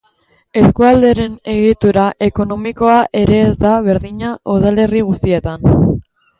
Eskualdearen egitura ekonomikoa ere ez da berdina udalerri guztietan.